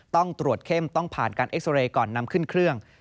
ต้องตรวจเข้มต้องผ่านการเอ็กซอเรย์ก่อนนำขึ้นเครื่อง